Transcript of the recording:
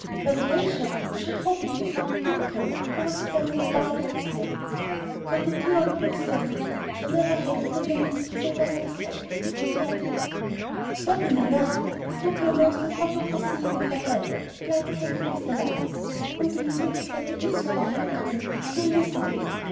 "My gracious, I should hope he would," put in Clover, who was still in the wildest spirits. "What a dear old goose Cecy is! I never hankered in the least for Sylvester Slack, did you, Katy?" "Certainly not. It would be a most improper proceeding if I had," replied Katy, with a laugh. "Whom do you think this letter is from, girls? Do listen to it.